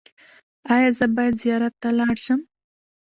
ایا زه باید زیارت ته لاړ شم؟